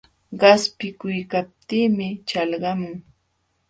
Qaspiykuykaptinmi ćhalqamun.